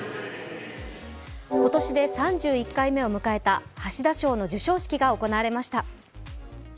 今年で３１回目を迎えた橋田賞の授賞式が行われました。